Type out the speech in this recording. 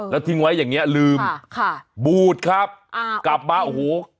แล้วทิ้งไว้อย่างเงี้ลืมค่ะบูดครับอ่ากลับมาโอ้โห